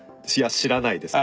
知らないですね。